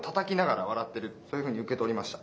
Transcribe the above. そういうふうにうけとりました。